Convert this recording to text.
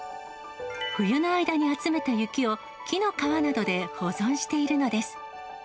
冬の間に集めた雪を、木の皮などで保存しているのです。